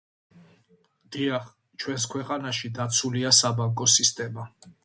დიახ, ჩვენს ქვეყანაში დაცულია საბანკო სისტემა.